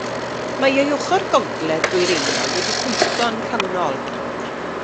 Mae ei ochr gogledd dwyreiniol wedi cwympo yn rhannol.